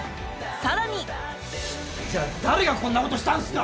更にじゃあ誰がこんなことしたんすか！